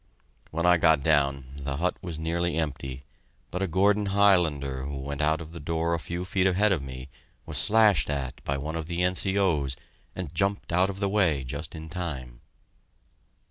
When I got down, the hut was nearly empty, but a Gordon Highlander who went out of the door a few feet ahead of me was slashed at by one of the N.C.O.'s and jumped out of the way just in time.